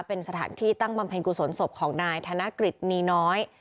เป็นสถานที่ตั้งบำเพ็ญกุศลศพของนายธนกฤษนีน้อย